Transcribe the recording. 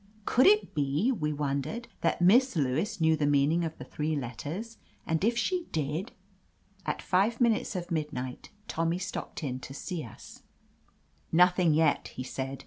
Could it be, we wondered, that Miss Lewis knew the meaning of the three let ters ? And if she did — f At five minutes of midnight Tommy stopped in to see us. 131 THE AMAZING ADVENTURES "Nothing yet," he said.